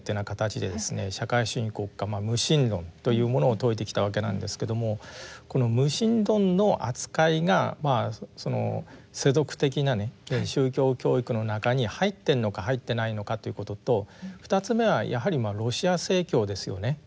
社会主義国家無神論というものを説いてきたわけなんですけどもこの無神論の扱いが世俗的なね宗教教育の中に入ってるのか入ってないのかということと２つ目はやはりロシア正教ですよね。